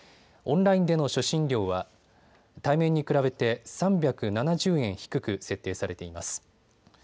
オンラインでの初診料は対面に比べて３７０円低く設定されています。